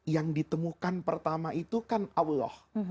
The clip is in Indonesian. yang ditemukan pertama itu kan allah